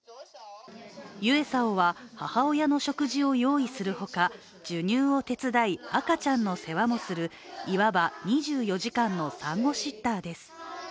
ユエサオは母親の食事を用意するほか授乳を手伝い、赤ちゃんの世話もするいわば２４時間の産後シッターです。